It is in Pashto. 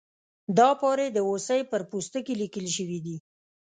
دا پارې د هوسۍ پر پوستکي لیکل شوي دي.